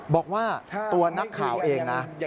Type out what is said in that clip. บอกว่าตัวนักข่าวเองนะ